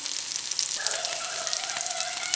ごめんなさいごめんなさいごめんなさい！